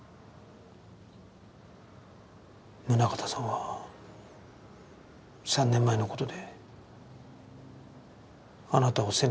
宗形さんは３年前の事であなたを責めたんですか？